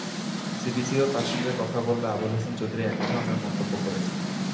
সিবিসিও তাঁর সঙ্গে কথা বললে আবুল হাসান চৌধুরী একই ধরনের মন্তব্য করেছেন।